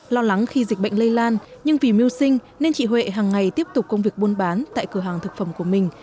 lo lắng khi dịch bệnh lây lan nhưng vì mưu sinh nên chị huệ hàng ngày tiếp tục công việc buôn bán tại cửa hàng thực phẩm của mình